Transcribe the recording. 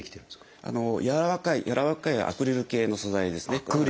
やわらかいアクリル系の素材ですね。